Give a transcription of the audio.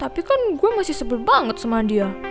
tapi kan gue masih sebel banget sama dia